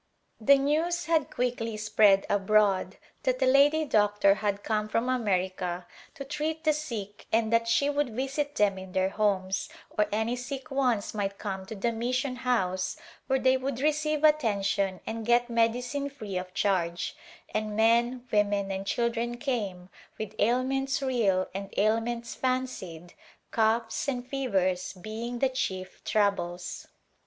The news had quickly spread abroad that a lady doctor had come from America to treat the sick and A Glimpse of India that she would visit them in their homes, or any sick ones might come to the mission house where they would receive attention and get medicine free of charge, and men, women and children came, with ail ments real and ailments fancied, coughs and fevers being the chief troubles.